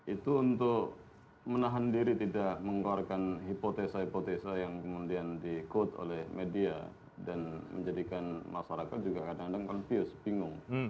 itu untuk menahan diri tidak mengeluarkan hipotesa hipotesa yang kemudian diikut oleh media dan menjadikan masyarakat juga kadang kadang confused bingung